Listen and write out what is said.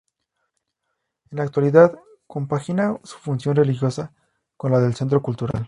En la actualidad compagina su función religiosa con la de centro cultural.